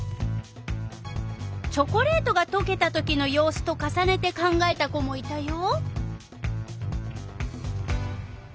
チョコレートがとけたときの様子と重ねて考えた子もいたよ。